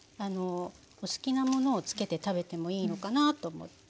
お好きなものを付けて食べてもいいのかなと思って。